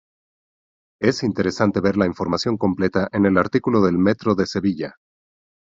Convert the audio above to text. Es interesante ver la información completa en el artículo del Metro de Sevilla.